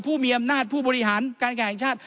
ผู้มีอำนาจผู้บริหารการแข่งชาติ